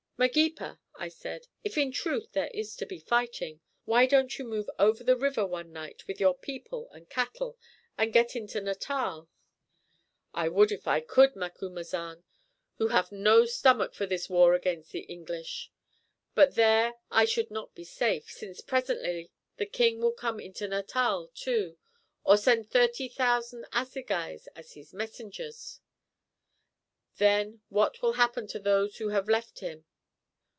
"Magepa," I said, "if in truth there is to be fighting, why don't you move over the river one night with your people and cattle, and get into Natal?" "I would if I could, Macumazahn, who have no stomach for this war against the English. But there I should not be safe, since presently the king will come into Natal too, or send thirty thousand assegais as his messengers. Then what will happen to those who have left him?"